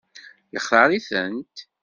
Yextaṛ-itent?